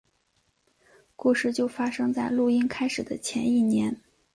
故事就发生在录音开始的前一年。